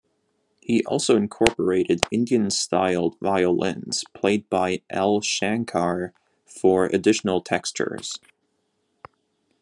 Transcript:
He also incorporated Indian-styled violins, played by L. Shankar, for additional textures.